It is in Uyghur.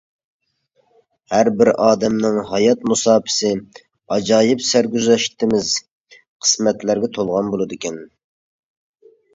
ھەر بىر ئادەمنىڭ ھايات مۇساپىسى ئاجايىپ سەرگۈزەشتىمىز قىسمەتلەرگە تولغان بولىدىكەن.